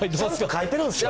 書いてるんですよね。